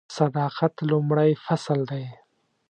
صداقت لومړی فصل دی .